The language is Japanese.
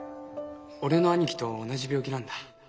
俺の兄貴と同じ病気なんだ。